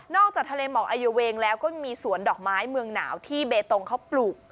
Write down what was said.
จากทะเลหมอกอายุเวงแล้วก็ยังมีสวนดอกไม้เมืองหนาวที่เบตงเขาปลูก